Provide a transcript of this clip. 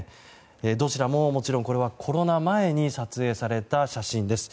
どちらも、もちろんコロナ前に撮影された写真です。